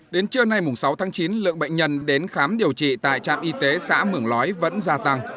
đến trưa nay sáu tháng chín lượng bệnh nhân đến khám điều trị tại trạm y tế xã mường lói vẫn gia tăng